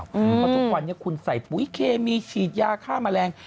เพราะทุกวันนี้คุณใส่ปุ๋ยเคมีฉีดยาฆ่าแมลง